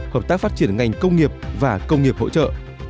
hợp tác phát triển ngành công nghiệp và công nghiệp hỗ trợ